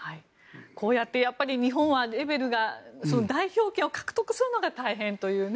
こうやって日本はレベルが代表権を獲得するのが大変というね。